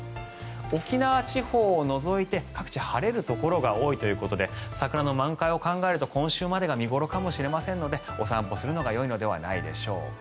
沖縄地方を除いて各地晴れるところが多いということで桜の満開を考えると今週までが見頃かもしれないのでお散歩するのがよいのではないでしょうか。